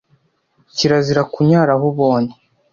Kirazira kunyara aho ubonye